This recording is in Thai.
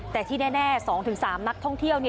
แต่ที่แน่๒๓นักท่องเที่ยว